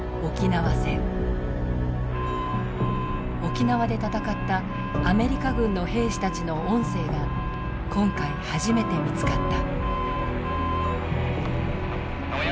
沖縄で戦ったアメリカ軍の兵士たちの音声が今回初めて見つかった。